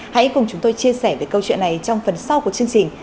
hãy cùng chúng tôi chia sẻ về câu chuyện này trong phần sau của chương trình